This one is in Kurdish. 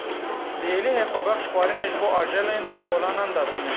Li Êlihê xwebexş xwarinê ji bo ajelên kolanan datînin.